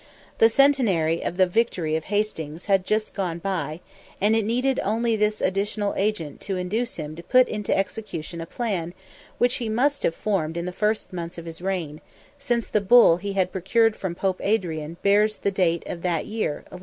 The centenary of the victory of Hastings had just gone by, and it needed only this additional agent to induce him to put into execution a plan which he must have formed in the first months of his reign, since the Bull he had procured from Pope Adrian, bears the date of that year—1154.